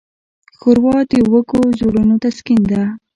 ښوروا د وږو زړونو تسکین ده.